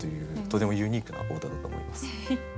とてもユニークなお歌だと思います。